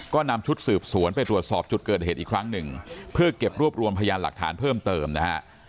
ก็นำชุดสืบสวนไปตรวจสอบจุดเกิดเหตุอีกครั้งหนึ่งเพื่อเก็บรวบรวมพยานหลักฐานเพิ่มเติมนะฮะ